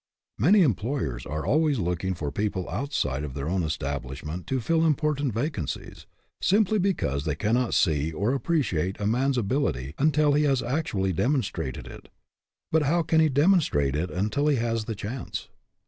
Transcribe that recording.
Many employers are always looking for people outside of their own establishment to fill important vacancies, simply because they cannot see or appreciate a man's ability until he has actually demonstrated it; but how can he demonstrate it until he has the chance?